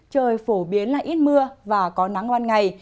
trời phổ biến là ít mưa và có nắng ban ngày